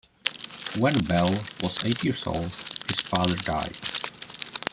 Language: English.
When Bell was eight years old, his father died.